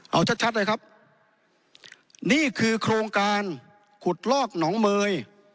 เอาชัดชัดเลยครับนี่คือโครงการขุดลอกหนองเมย